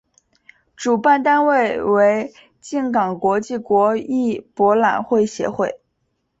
主办单位为静冈国际园艺博览会协会。